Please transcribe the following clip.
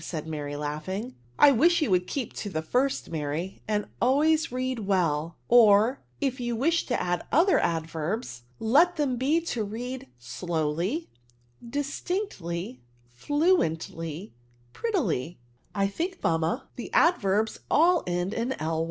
said Mary, laughing. I widi you would keep to the first, Mary, and always read well; or, if you wish to add other axlverbs, let them be to read slowly f distinctly f fluently, prettily" *^ I think, mamma, the adverbs all end in Zy?